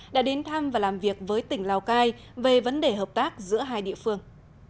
đã đến thăm và làm việc với tỉnh lào cai về vấn đề hợp tác giữa hai địa phương